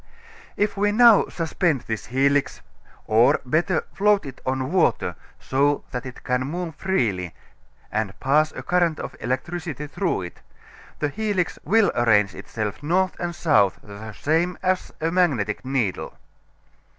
If now we suspend this helix, or, better, float it on water so that it can move freely, and pass a current of electricity through it, the helix will arrange itself north and south the same as a magnetic needle.